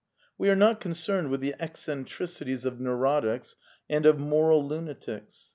^ We are not concerned witii the eccentricities of neurotics and of moral lunatics.